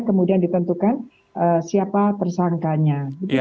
kemudian ditentukan siapa tersangkanya